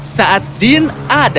aku akan menemukanmu